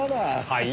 はい？